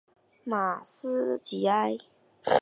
马斯基埃。